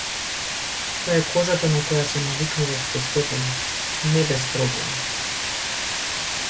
Тоа е кожата на која се навикнував постепено, не без проблеми.